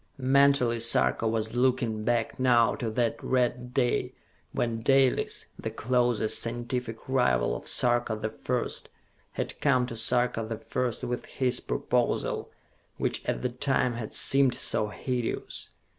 Mentally Sarka was looking back now to that red day when Dalis, the closest scientific rival of Sarka the First, had come to Sarka the First with his proposal which at the time had seemed so hideous.